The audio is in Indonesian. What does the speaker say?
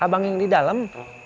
abang yang di dalam